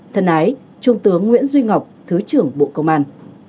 thân ái trung tướng nguyễn duy ngọc thứ trưởng bộ công an